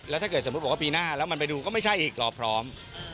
ถ้าเกิดสมมุติบอกว่าปีหน้าแล้วมันไปดูก็ไม่ใช่อีกรอพร้อม